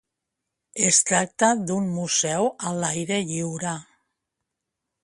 Es tracta d'un museu a l'aire lliure.